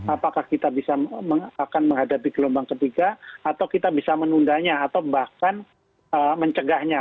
apakah kita bisa akan menghadapi gelombang ketiga atau kita bisa menundanya atau bahkan mencegahnya